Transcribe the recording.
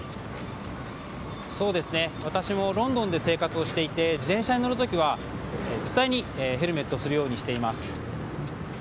私もロンドンで生活をしていて自転車に乗る時は絶対にヘルメットをするようにしています。